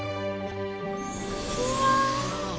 うわ！